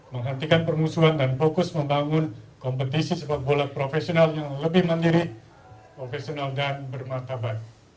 menghentikan permusuhan dan fokus membangun kompetisi sepak bola profesional yang lebih mandiri profesional dan bermartabat